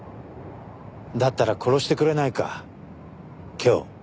だったら殺してくれないか今日。